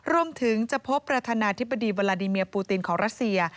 รวมถึงจะพบประธานาธิบดีวาลาดีเมียปูตินของรัสเซีย